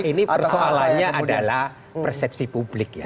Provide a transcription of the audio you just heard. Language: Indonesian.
nah ini persoalannya adalah persepsi publik